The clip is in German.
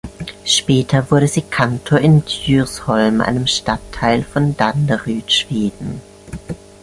Später wurde sie Kantor in "Djursholm", einem Stadtteil von Danderyd, Schweden.